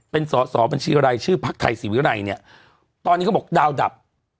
เป็นสอสอเป็นชื่ออะไรชื่อภักดิ์ไทยศิวิไลน์เนี่ยตอนนี้เขาบอกดาวดับ